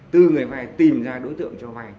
từ người vay tìm ra đối tượng cho vay